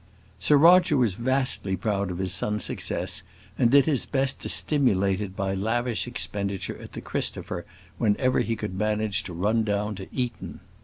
Sir Roger was vastly proud of his son's success, and did his best to stimulate it by lavish expenditure at the Christopher, whenever he could manage to run down to Eton.